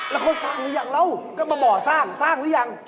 แล้วเขาสร้างหรือยังเราก็มาบ่อสร้างสร้างหรือยัง